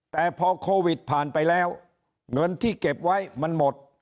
แต่พอโควิดผ่านไปแล้วเงินที่เก็บไว้มันหมด